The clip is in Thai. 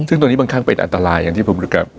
ซึ่งตรงนี้บางครั้งเป็นอันตรายอย่างที่ผมรู้จัก